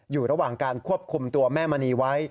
อยู่ระหว่างการควบคุมตัวแม่มณีไว้